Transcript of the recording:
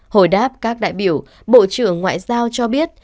hồi đáp các đại biểu bộ trưởng ngoại giao cho biết